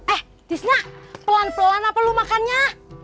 eh tisna pelan pelan apa lu makannya